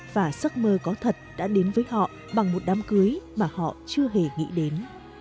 và giấc mơ có thật đã đến với họ bằng một đám cưới mà họ chưa hề nghĩ đến